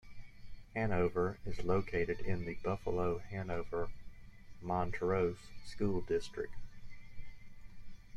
Hanover is located in the Buffalo-Hanover-Montrose school district.